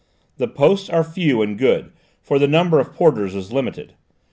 The posts are few and good, for the number of porters is limited.